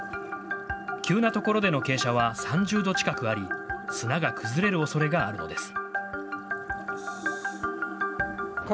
急なところでの傾斜は３０度近くあり、砂が崩れるおそれがあるのです。